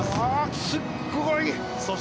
ああ、すごい。